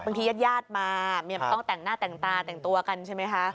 ญาติญาติมาต้องแต่งหน้าแต่งตาแต่งตัวกันใช่ไหมคะ